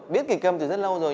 biết kịch câm từ rất lâu rồi